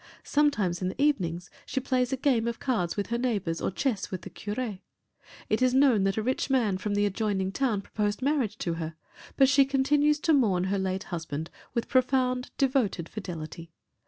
Sometimes in the evening she plays a game of cards with her neighbours or chess with the curé. It is known that a rich man from the adjoining town proposed marriage to her, but she continues to mourn her late husband with profound devoted fidelity.